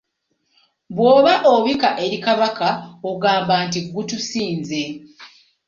Bw'oba obika eri Kabaka ogamba nti gutusinze.